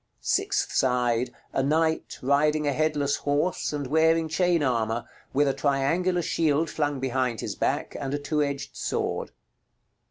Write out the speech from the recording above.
Sixth side. A knight, riding a headless horse, and wearing chain armor, with a triangular shield flung behind his back, and a two edged sword.